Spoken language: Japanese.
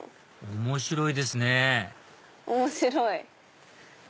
面白いですね面白い。